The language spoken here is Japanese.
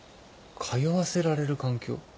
通わせられる環境？